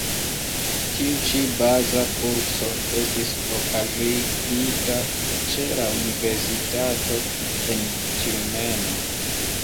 Tiu ci baza kurso estis okazigita ce la universitato en Tjumeno.